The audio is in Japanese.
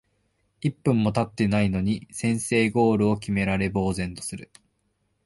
一分もたってないのに先制ゴールを決められ呆然とする